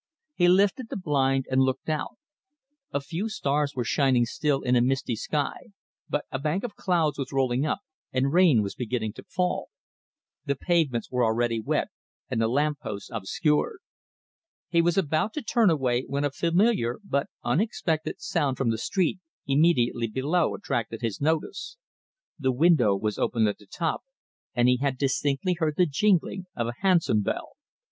He lifted the blind and looked out. A few stars were shining still in a misty sky, but a bank of clouds was rolling up and rain was beginning to fall. The pavements were already wet, and the lamp posts obscured. He was about to turn away when a familiar, but unexpected, sound from the street immediately below attracted his notice. The window was open at the top, and he had distinctly heard the jingling of a hansom bell.